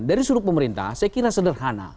dari sudut pemerintah saya kira sederhana